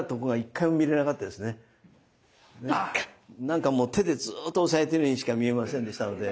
何かもう手でずっと押さえているようにしか見えませんでしたので。